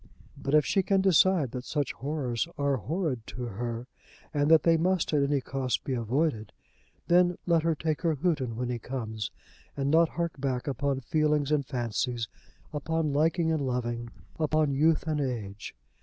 But if she can decide that such horrors are horrid to her, and that they must at any cost be avoided, then let her take her Houghton when he comes, and not hark back upon feelings and fancies, upon liking and loving, upon youth and age.